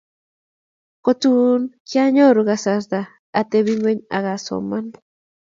Kotun kianyoru kasarta atebi ngweny akasoman